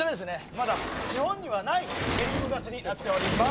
まだ日本にはないヘリウムガスになっております